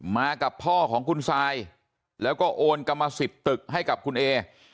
มากับพ่อของคุณซายแล้วก็โอนกรรมสิทธิ์ตึกให้กับคุณเอ